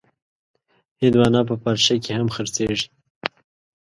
هندوانه په پارچه کې هم خرڅېږي.